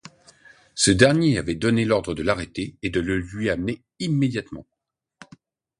Ce dernier avait donné l'ordre de l'arrêter et de le lui amener immédiatement.